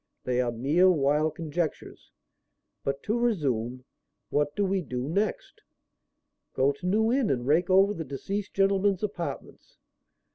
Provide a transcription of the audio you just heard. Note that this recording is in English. They are mere wild conjectures. But to resume: what do we do next?" "Go to New Inn and rake over the deceased gentleman's apartments."